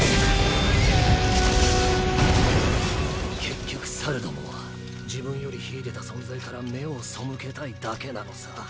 結局猿どもは自分より秀でた存在から目を背けたいだけなのさ。